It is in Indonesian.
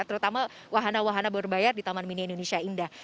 terutama wahana wahana berbayar di tmi indah